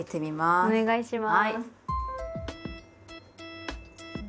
お願いします。